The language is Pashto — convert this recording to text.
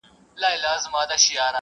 د هرات بزګران اوس ډېر مسلکي شوي.